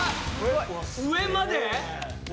上まで！？